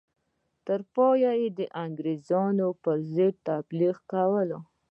تر پایه یې د انګرېزانو پر ضد تبلیغات وکړل.